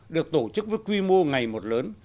được tổ chức với quy mô ngày một lớn